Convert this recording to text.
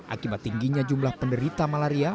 akibat tingginya jumlah penderita malaria